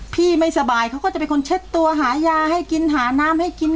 ไม่สบายเขาก็จะเป็นคนเช็ดตัวหายาให้กินหาน้ำให้กิน